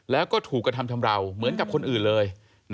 แล้วก็ถูกกระทำชำราวเหมือนกับคนอื่นเลย